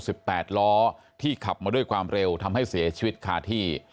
แปดล้อที่ขับมาด้วยความเร็วทำให้เสียชีวิตคาที่